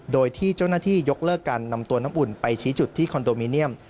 โดยที่เจ้าหน้าที่ยกเลิกการนำตัวน้ำอุ่นไปชี้จุดที่คอนโดมิเนียม